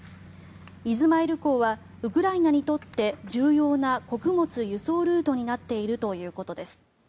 イズマイル港はウクライナにとって重要な穀物輸送ルートになっているということです。